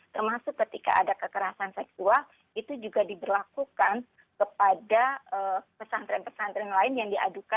termasuk ketika ada kekerasan seksual itu juga diberlakukan kepada pesantren pesantren lain yang diadukan